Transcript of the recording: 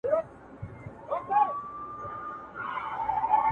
وجود شراب شراب نشې نشې لرې که نه,